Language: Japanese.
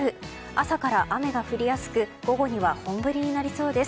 朝から雨が降りやすく午後には本降りになりそうです。